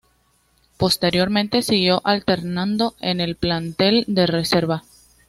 Posteriormente, siguió alternando en el plantel de reserva.